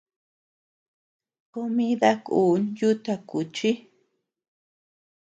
Comida kun yuta kuchi.